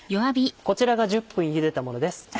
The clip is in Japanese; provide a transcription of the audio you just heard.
こちらが１０分ゆでたものです。